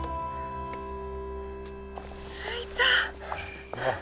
着いた。